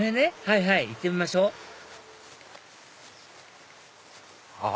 はいはい行ってみましょうあ